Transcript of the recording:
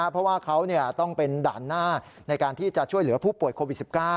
เพราะว่าเขาต้องเป็นด่านหน้าในการที่จะช่วยเหลือผู้ป่วยโควิด๑๙